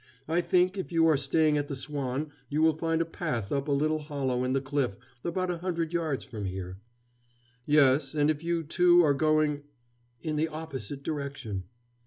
I think, if you are staying at the Swan, you will find a path up a little hollow in the cliff about a hundred yards from here." "Yes, and if you, too, are going " "In the opposite direction."